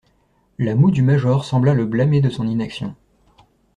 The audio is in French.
La moue du major sembla le blâmer de son inaction.